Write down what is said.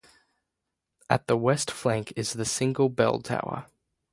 At the west flank is the single bell tower.